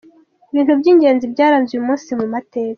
Ibintu by’ingenzi byaranze uyu umnsi mu mateka y’isi:.